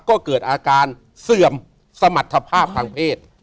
ก็เกิดอาการเสื่อมสมรรถภาพทางเพศ